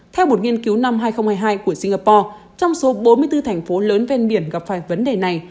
theo một nghiên cứu năm hai nghìn hai mươi hai của singapore trong số bốn mươi bốn thành phố lớn ven biển gặp phải vấn đề này